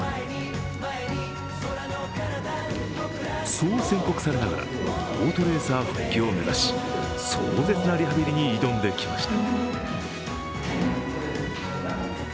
そう宣告されながらオートレーサー復帰を目指し壮絶なリハビリに挑んできました。